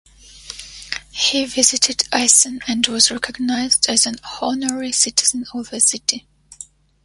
He visited Assen and was recognized as an honorary citizen of the city.